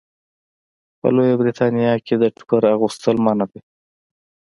په لویه برېتانیا کې د ټوکر اغوستل منع دي.